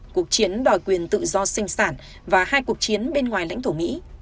cuộc chiến đòi quyền tự do sinh sản và hai cuộc chiến bên ngoài lãnh thổ mỹ